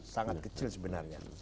sangat kecil sebenarnya